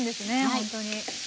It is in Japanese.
ほんとに。